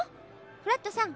フラットさん